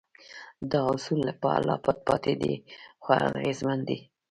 دا اصول لا پټ پاتې دي خو اغېزمن دي.